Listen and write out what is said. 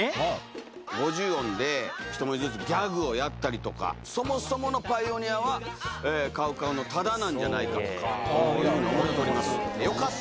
５０音で一文字ずつギャグをやったりとかそもそものパイオニアはＣＯＷＣＯＷの多田なんじゃないかというふうに思っております